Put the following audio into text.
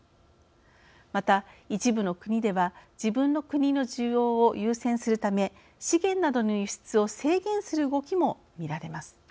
また、一部の国では自分の国の需要を優先するため資源などの輸出を制限する動きも見られます。